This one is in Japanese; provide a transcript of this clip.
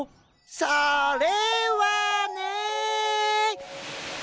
それはね。